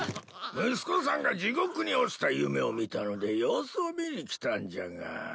息子さんが地獄に落ちた夢を見たので様子を見に来たんじゃが。